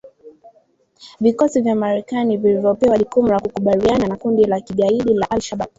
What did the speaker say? Vikosi vya Marekani vilivyopewa jukumu la kukabiliana na kundi la kigaidi la al-Shabab.